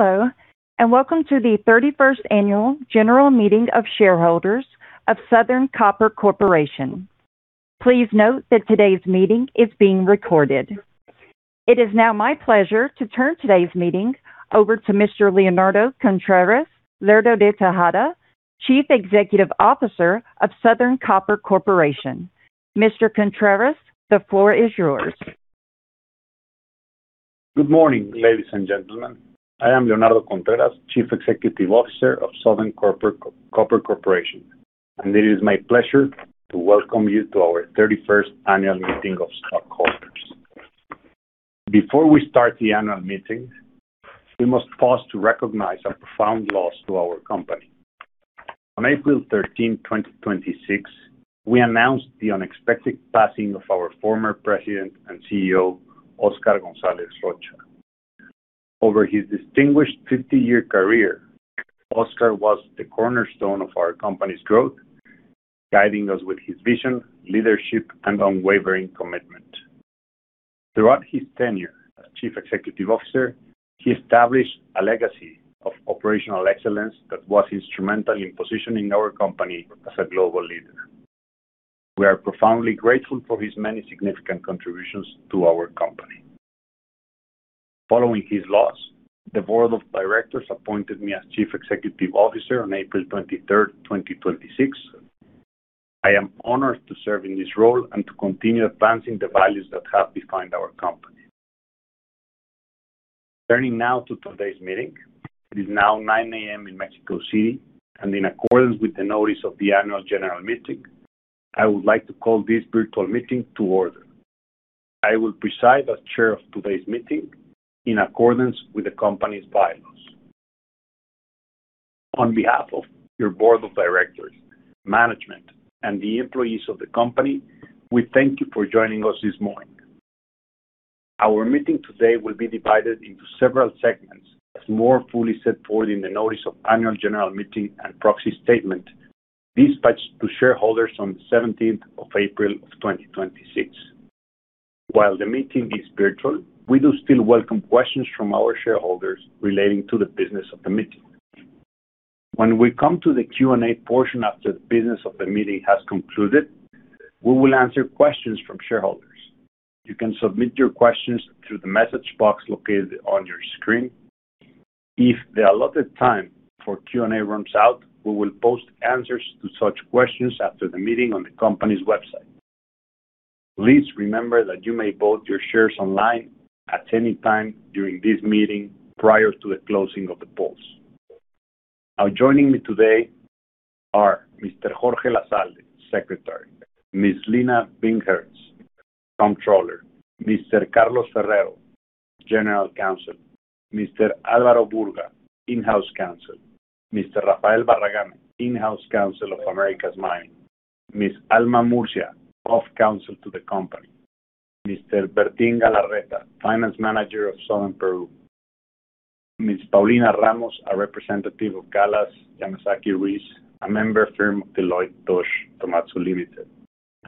Hello, welcome to the 31st Annual General Meeting of Shareholders of Southern Copper Corporation. Please note that today's meeting is being recorded. It is now my pleasure to turn today's meeting over to Mr. Leonardo Contreras Lerdo de Tejada, Chief Executive Officer of Southern Copper Corporation. Mr. Contreras, the floor is yours. Good morning, ladies and gentlemen. I am Leonardo Contreras, Chief Executive Officer of Southern Copper Corporation, and it is my pleasure to welcome you to our 31st Annual Meeting of Stockholders. Before we start the annual meeting, we must pause to recognize a profound loss to our company. On April 13, 2026, we announced the unexpected passing of our former President and CEO, Óscar González Rocha. Over his distinguished 50-year career, Oscar was the cornerstone of our company's growth, guiding us with his vision, leadership, and unwavering commitment. Throughout his tenure as Chief Executive Officer, he established a legacy of operational excellence that was instrumental in positioning our company as a global leader. We are profoundly grateful for his many significant contributions to our company. Following his loss, the Board of Directors appointed me as Chief Executive Officer on April 23rd, 2026. I am honored to serve in this role and to continue advancing the values that have defined our company. Turning now to today's meeting. It is now 9:00 A.M. in Mexico City, and in accordance with the notice of the annual general meeting, I would like to call this virtual meeting to order. I will preside as chair of today's meeting in accordance with the company's bylaws. On behalf of your board of directors, management, and the employees of the company, we thank you for joining us this morning. Our meeting today will be divided into several segments, as more fully set forth in the notice of annual general meeting and proxy statement dispatched to shareholders on the 17th of April of 2026. While the meeting is virtual, we do still welcome questions from our shareholders relating to the business of the meeting. When we come to the Q&A portion after the business of the meeting has concluded, we will answer questions from shareholders. You can submit your questions through the message box located on your screen. If the allotted time for Q&A runs out, we will post answers to such questions after the meeting on the company's website. Please remember that you may vote your shares online at any time during this meeting prior to the closing of the polls. Now, joining me today are Mr. Jorge Lazalde, Secretary, Ms. Lina Binhartz, Comptroller, Mr. Carlos Ferrero, General Counsel, Mr. Alvaro Burga, In-house Counsel, Mr. Rafael Barragan, In-house Counsel of Americas Mine, Ms. Alma Murcia, Of Counsel to the company, Mr. Bertín Galarreta, Finance Manager of Southern Peru, Ms. Paulina Ramos, a representative of Galaz, Yamazaki, Ruiz, a member firm of Deloitte Touche Tohmatsu Limited,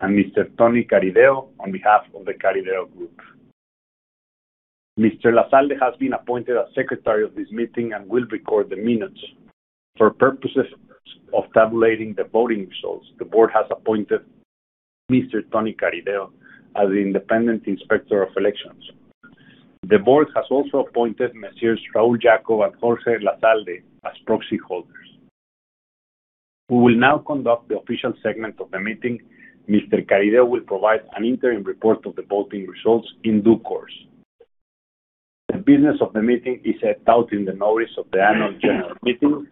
and Mr. Tony Carideo on behalf of The Carideo Group. Mr. Lazalde has been appointed as secretary of this meeting and will record the minutes. For purposes of tabulating the voting results, the board has appointed Mr. Tony Carideo as the independent inspector of elections. The board has also appointed Messrs. Raul Jacob and Jorge Lazalde as proxy holders. We will now conduct the official segment of the meeting. Mr. Carideo will provide an interim report of the voting results in due course. The business of the meeting is set out in the notice of the annual general meeting.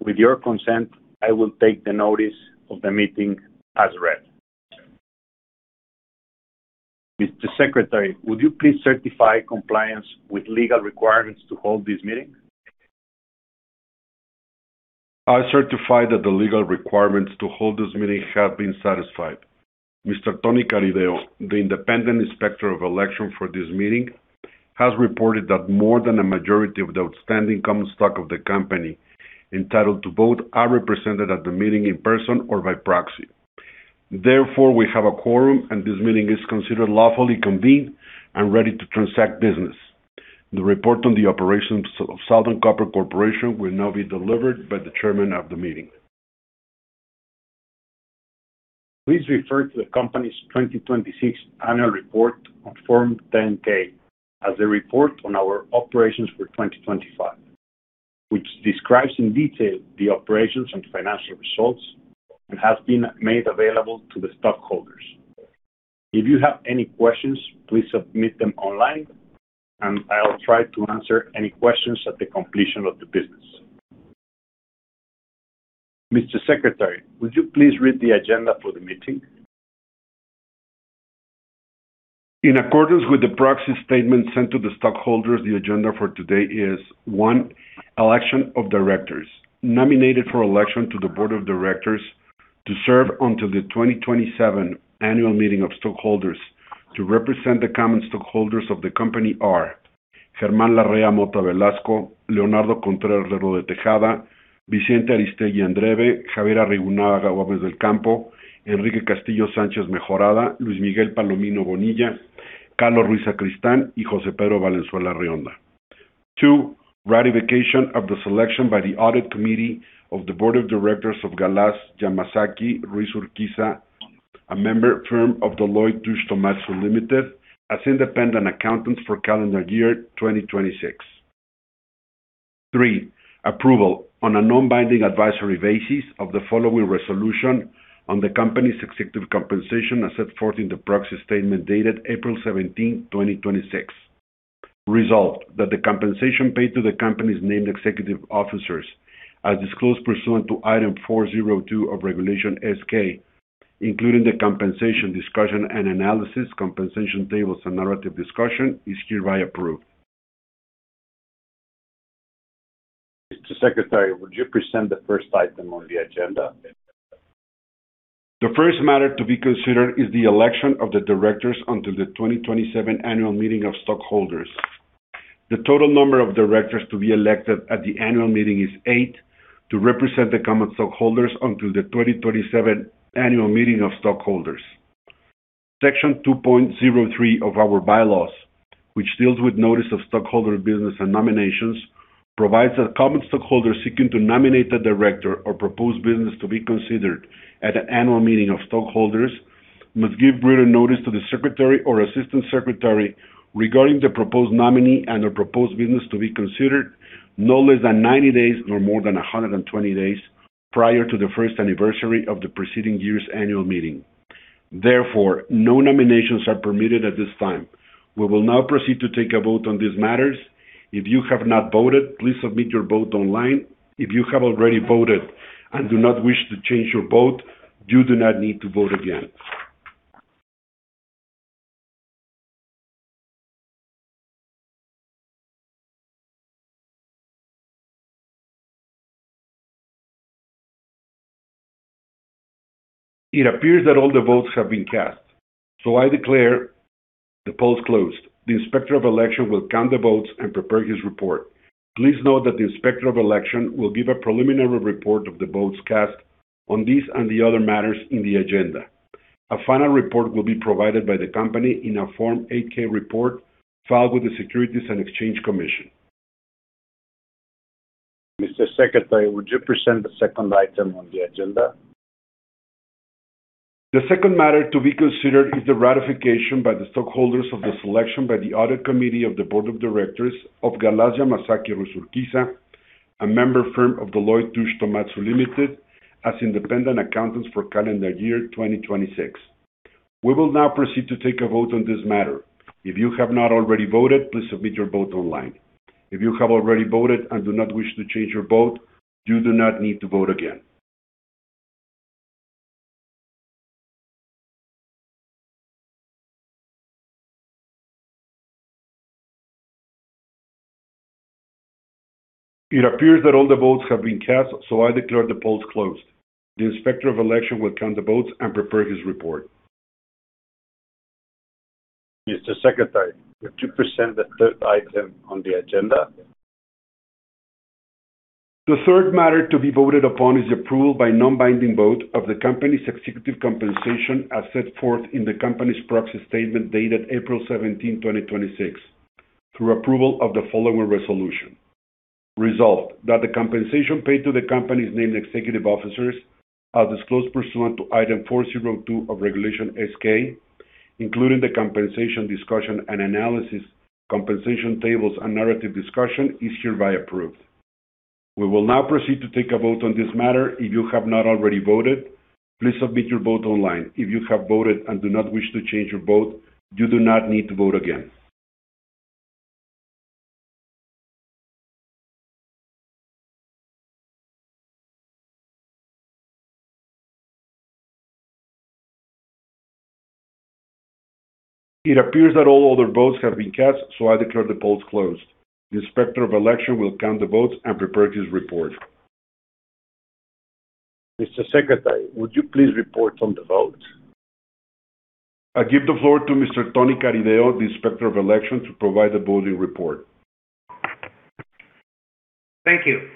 With your consent, I will take the notice of the meeting as read. Mr. Secretary, would you please certify compliance with legal requirements to hold this meeting? I certify that the legal requirements to hold this meeting have been satisfied. Mr. Tony Carideo, the independent inspector of election for this meeting, has reported that more than a majority of the outstanding common stock of the company entitled to vote are represented at the meeting in person or by proxy. Therefore, we have a quorum, and this meeting is considered lawfully convened and ready to transact business. The report on the operations of Southern Copper Corporation will now be delivered by the chairman of the meeting. Please refer to the company's 2026 annual report on Form 10-K as a report on our operations for 2025, which describes in detail the operations and financial results and has been made available to the stockholders. If you have any questions, please submit them online, and I'll try to answer any questions at the completion of the business. Mr. Secretary, would you please read the agenda for the meeting? In accordance with the proxy statement sent to the stockholders, the agenda for today is, one, election of directors. Nominated for election to the board of directors to serve until the 2027 annual meeting of stockholders to represent the common stockholders of the company are Germán Larrea Mota Velasco, Leonardo Contreras Lerdo de Tejada, Vicente Ariztegui Andreve, Javier Arrigunaga Gomez del Campo, Enrique Castillo Sánchez Mejorada, Luis Miguel Palomino Bonilla, Carlos Ruiz Sacristán, and Jose Pedro Valenzuela Rionda. Two, ratification of the selection by the audit committee of the board of directors of Galaz, Yamazaki, Ruiz Urquiza, a member firm of Deloitte Touche Tohmatsu Limited, as independent accountants for calendar year 2026. Three, approval on a non-binding advisory basis of the following resolution on the company's executive compensation as set forth in the proxy statement dated April 17th, 2026. Resolved, that the compensation paid to the companies named executive officers, as disclosed pursuant to Item 402 of Regulation S-K, including the compensation discussion and analysis, compensation tables and narrative discussion, is hereby approved. Mr. Secretary, would you present the first item on the agenda? The first matter to be considered is the election of the directors until the 2027 annual meeting of stockholders. The total number of directors to be elected at the annual meeting is eight to represent the common stockholders until the 2027 annual meeting of stockholders. Section 2.03 of our bylaws, which deals with notice of stockholder business and nominations, provides that common stockholders seeking to nominate a director or propose business to be considered at an annual meeting of stockholders must give written notice to the Secretary or Assistant Secretary regarding the proposed nominee and/or proposed business to be considered no less than 90 days nor more than 120 days prior to the first anniversary of the preceding year's annual meeting. Therefore, no nominations are permitted at this time. We will now proceed to take a vote on these matters. If you have not voted, please submit your vote online. If you have already voted and do not wish to change your vote, you do not need to vote again. It appears that all the votes have been cast, so I declare the polls closed. The Inspector of Election will count the votes and prepare his report. Please note that the Inspector of Election will give a preliminary report of the votes cast on this and the other matters in the agenda. A final report will be provided by the company in a Form 8-K report filed with the Securities and Exchange Commission. Mr. Secretary, would you present the second item on the agenda? The second matter to be considered is the ratification by the stockholders of the selection by the audit committee of the board of directors of Galaz, Yamazaki, Ruiz Urquiza, a member firm of Deloitte Touche Tohmatsu Limited, as independent accountants for calendar year 2026. We will now proceed to take a vote on this matter. If you have not already voted, please submit your vote online. If you have already voted and do not wish to change your vote, you do not need to vote again. It appears that all the votes have been cast, so I declare the polls closed. The Inspector of Election will count the votes and prepare his report. Mr. Secretary, would you present the third item on the agenda? The third matter to be voted upon is the approval by non-binding vote of the company's executive compensation as set forth in the company's proxy statement dated April 17, 2026, through approval of the following resolution. Resolved, that the compensation paid to the company's named executive officers, as disclosed pursuant to Item 4.02 of Regulation S-K, including the compensation discussion and analysis, compensation tables, and narrative discussion, is hereby approved. We will now proceed to take a vote on this matter. If you have not already voted, please submit your vote online. If you have voted and do not wish to change your vote, you do not need to vote again. It appears that all other votes have been cast, so I declare the polls closed. The Inspector of Election will count the votes and prepare his report. Mr. Secretary, would you please report on the votes? I give the floor to Mr. Tony Carideo, the Inspector of Election, to provide the voting report. Thank you.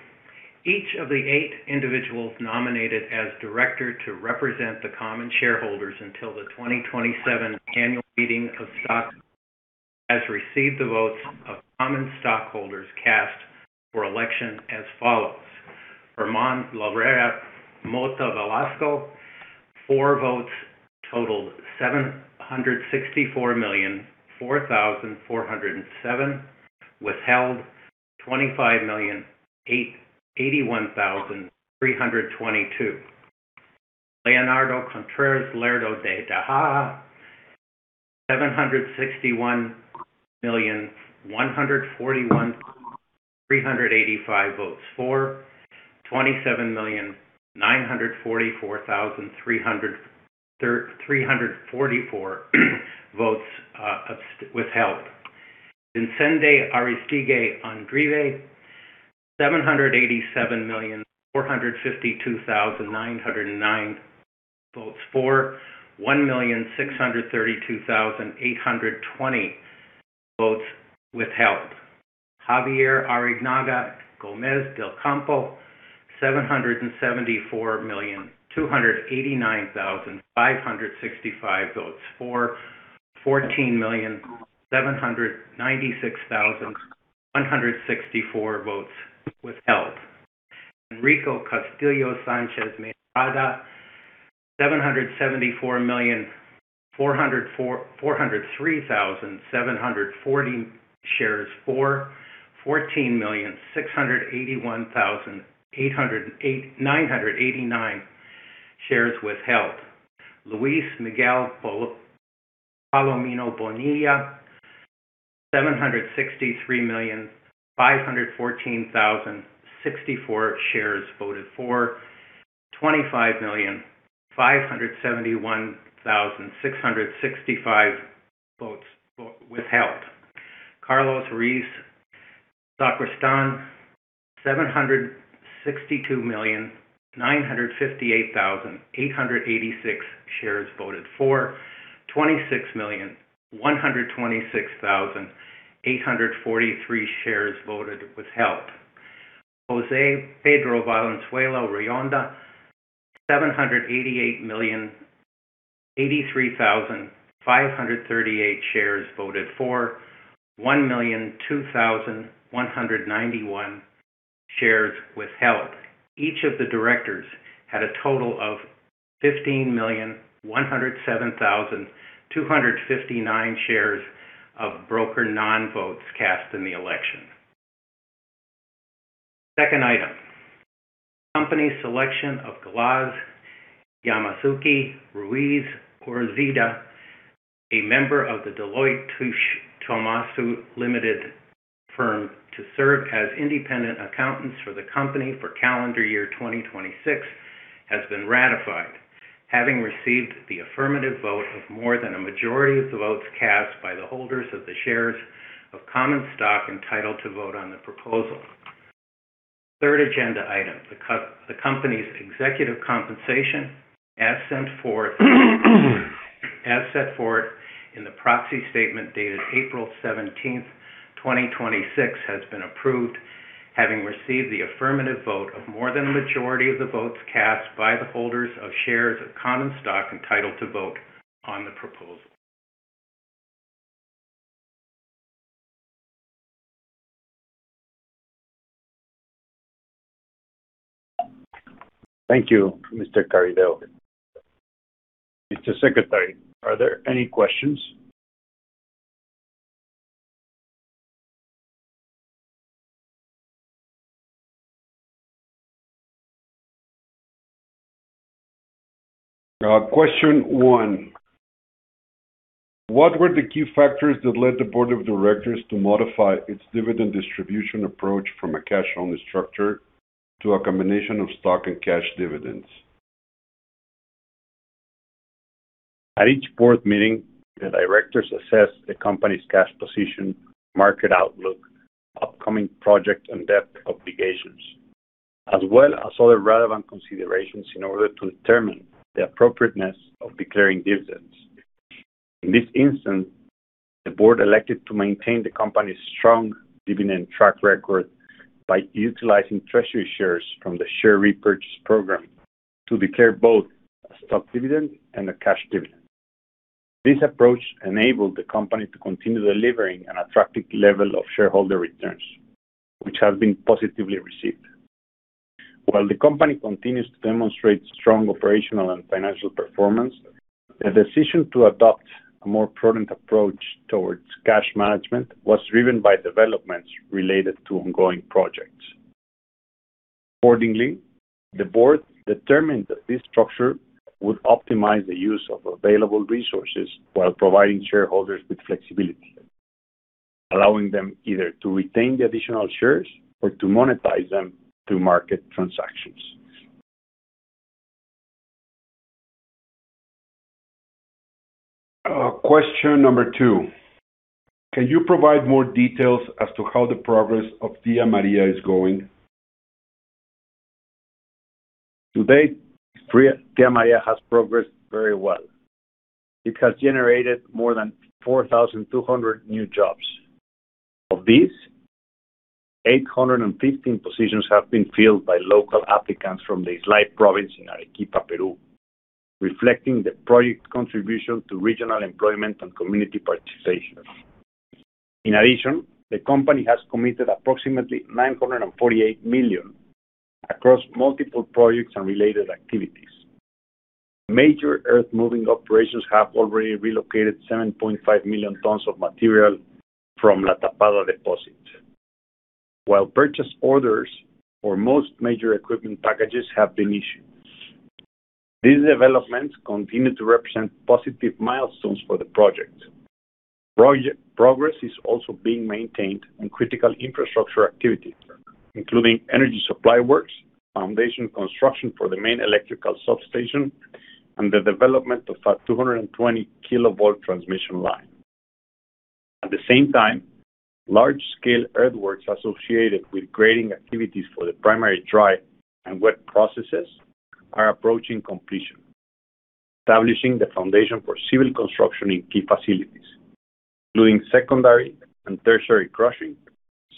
Each of the eight individuals nominated as director to represent the common shareholders until the 2027 annual meeting of stock has received the votes of common stockholders cast for election as follows. Germán Larrea Mota Velasco, for votes, total 764,004,407, withheld 25,081,322. Leonardo Contreras Lerdo de Tejada, 761,141,385 votes for, 27,944,344 votes withheld. Vicente Ariztegui Andreve, 787,452,909 votes for, 1,632,820 votes withheld. Javier Arrigunaga Gomez del Campo, 774,289,565 votes for, 14,796,164 votes withheld. Enrique Castillo Sánchez Mejorada, 774,403,740 shares for, 14,681,989 shares withheld. Luis Miguel Palomino Bonilla, 763,514,064 shares voted for, 25,571,665 votes withheld. Carlos Ruiz Sacristán, 762,958,886 shares voted for, 26,126,843 shares withheld. Jose Pedro Valenzuela Rionda, 788,083,538 shares voted for, 1,002,191 shares withheld. Each of the directors had a total of 15,107,259 shares of broker non-votes cast in the election. Second item, company selection of Galaz, Yamazaki, Ruiz Urquiza, a member of the Deloitte Touche Tohmatsu Limited firm to serve as independent accountants for the company for calendar year 2026 has been ratified, having received the affirmative vote of more than a majority of the votes cast by the holders of the shares of common stock entitled to vote on the proposal. Third agenda item, the company's executive compensation as set forth in the proxy statement dated April 17th, 2026, has been approved, having received the affirmative vote of more than a majority of the votes cast by the holders of shares of common stock entitled to vote on the proposal. Thank you, Mr. Carideo. Mr. Secretary, are there any questions? Question one, what were the key factors that led the board of directors to modify its dividend distribution approach from a cash-only structure to a combination of stock and cash dividends? At each board meeting, the directors assess the company's cash position, market outlook, upcoming project and debt obligations, as well as other relevant considerations in order to determine the appropriateness of declaring dividends. In this instance, the board elected to maintain the company's strong dividend track record by utilizing treasury shares from the share repurchase program to declare both a stock dividend and a cash dividend. This approach enabled the company to continue delivering an attractive level of shareholder returns, which have been positively received. While the company continues to demonstrate strong operational and financial performance, the decision to adopt a more prudent approach towards cash management was driven by developments related to ongoing projects. Accordingly, the board determined that this structure would optimize the use of available resources while providing shareholders with flexibility, allowing them either to retain the additional shares or to monetize them through market transactions. Question number two, can you provide more details as to how the progress of Tía María is going? To date, Tía María has progressed very well. It has generated more than 4,200 new jobs. Of these, 815 positions have been filled by local applicants from the Islay province in Arequipa, Peru, reflecting the project contribution to regional employment and community participation. In addition, the company has committed approximately $948 million across multiple projects and related activities. Major earth-moving operations have already relocated 7.5 million tons of material from La Tapada deposit, while purchase orders for most major equipment packages have been issued. These developments continue to represent positive milestones for the project. Progress is also being maintained on critical infrastructure activities, including energy supply works, foundation construction for the main electrical substation, and the development of a 220-kilovolt transmission line. At the same time, large-scale earthworks associated with grading activities for the primary dry and wet processes are approaching completion, establishing the foundation for civil construction in key facilities, including secondary and tertiary crushing,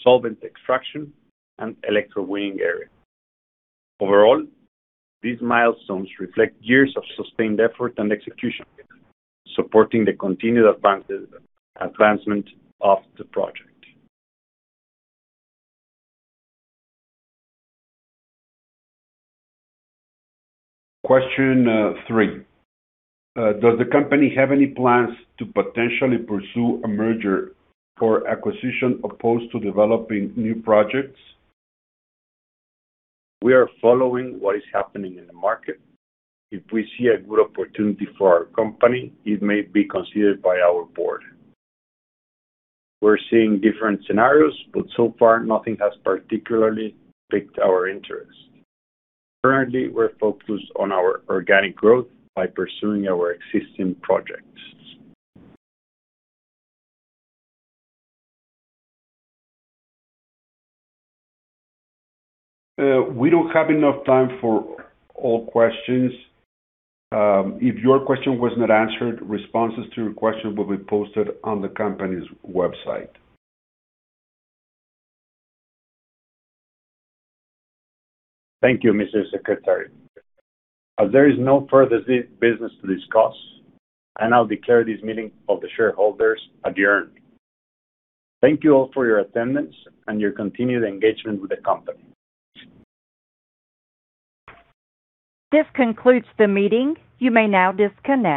solvent extraction, and electrowinning area. Overall, these milestones reflect years of sustained effort and execution, supporting the continued advancement of the project. Question three, does the company have any plans to potentially pursue a merger or acquisition opposed to developing new projects? We are following what is happening in the market. If we see a good opportunity for our company, it may be considered by our board. We're seeing different scenarios, but so far nothing has particularly piqued our interest. Currently, we're focused on our organic growth by pursuing our existing projects. We don't have enough time for all questions. If your question was not answered, responses to your question will be posted on the company's website. Thank you, Mr. Secretary. As there is no further business to discuss, I now declare this meeting of the shareholders adjourned. Thank you all for your attendance and your continued engagement with the company. This concludes the meeting. You may now disconnect.